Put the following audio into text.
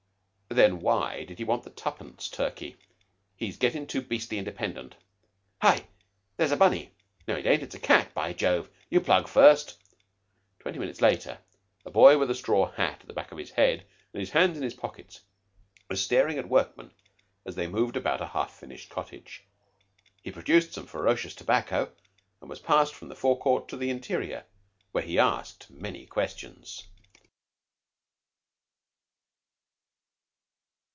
"Then why did he want the tuppence, Turkey? He's gettin' too beastly independent. Hi! There's a bunny. No, it ain't. It's a cat, by Jove! You plug first." Twenty minutes later a boy with a straw hat at the back of his head, and his hands in his pockets, was staring at workmen as they moved about a half finished cottage. He produced some ferocious tobacco, and was passed from the forecourt into the interior, where he asked many questions.